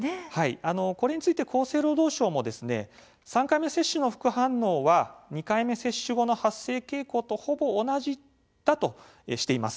これについて厚生労働省も３回目接種の副反応は２回目接種後の発生傾向とほぼ同じだとしています。